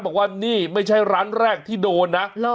บอกว่านี่ไม่ใช่ร้านแรกที่โดนนะ